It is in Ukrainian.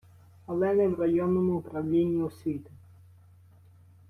Але не в районному управлінні освіти.